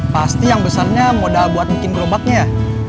pasti yang besarnya modal buat bikin gerobaknya ya